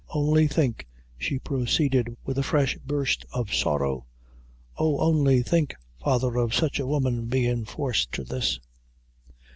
Only think," she proceeded, with a fresh burst of sorrow, "oh, only think, father, of sich a woman bein' forced to this!"